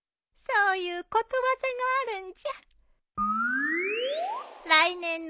そういうことわざがあるんじゃ。